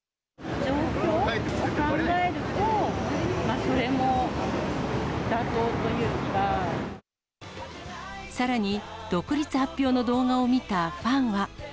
状況を考えると、さらに、独立発表の動画を見たファンは。